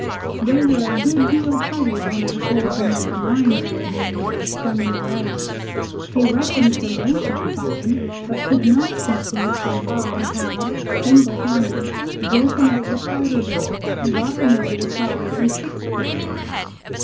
They were a good deal puzzled when I told them of the mines I had made and sprung in the ice. They reckoned the notion fine, but could not conceive how I had, single handed, broken out the powder barrels, got them over the side, and fixed them.